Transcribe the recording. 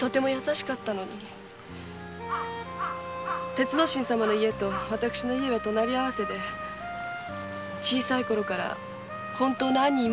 鉄之進様の家と私の家とは隣り合わせで小さいころから本当の兄と妹のようにしていました。